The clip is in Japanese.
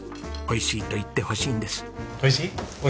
美味しいと言ってほしいんです。